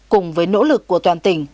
cùng với nỗ lực của toàn tỉnh